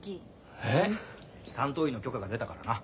えっ？担当医の許可が出たからな。